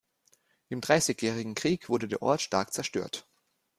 Im Dreißigjährigen Krieg wurde der Ort stark zerstört.